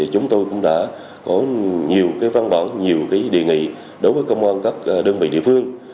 chúng tôi cũng đã có nhiều văn bản nhiều đề nghị đối với công an các đơn vị địa phương